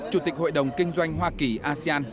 chủ tịch hội đồng kinh doanh hoa kỳ asean